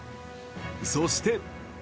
そして。